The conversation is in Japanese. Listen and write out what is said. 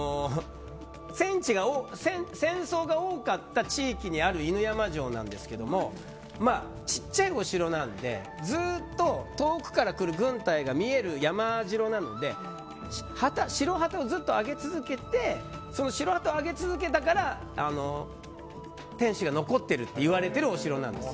戦争が多かった地域にある犬山城なんですけど小さいお城なのでずっと遠くから来る軍隊が見える山城なので白旗をずっと上げ続けて白旗を揚げ続けたから天守が残っているといわれているお城なんです。